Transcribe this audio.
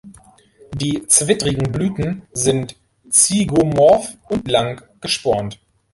Die zwittrigen Blüten sind zygomorph und lang gespornt.